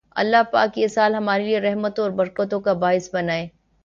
الله پاک یہ سال ہمارے لیئے رحمتوں اور برکتوں کا باعث بنائے